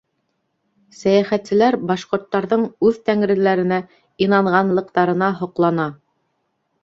Сәйәхәтселәр башҡорттарҙың үҙ тәңреләренә инанғанлыҡтарына һоҡлана.